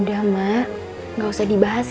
udah mak gak usah dibahas